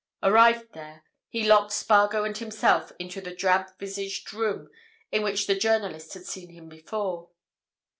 Arrived there, he locked Spargo and himself into the drab visaged room in which the journalist had seen him before.